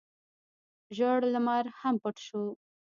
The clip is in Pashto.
ژړ لمر هم پټ شو.